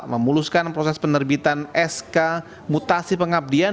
memuluskan proses penerbitan sk mutasi pengabdian